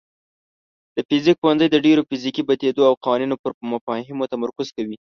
د فزیک پوهنځی د ډیرو فزیکي پدیدو او قوانینو پر مفاهیمو تمرکز کوي.